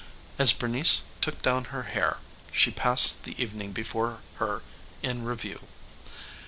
As Bernice took down her hair she passed the evening before her in review.